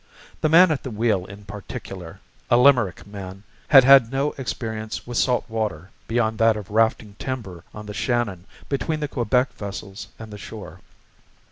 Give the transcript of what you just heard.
The man at the wheel in particular, a Limerick man, had had no experience with salt water beyond that of rafting timber on the Shannon between the Quebec vessels and the shore.